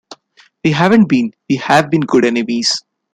We haven’t been — we’ve been good enemies.